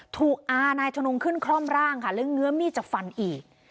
อานายทนงขึ้นคล่อมร่างค่ะแล้วเงื้อมีดจะฟันอีก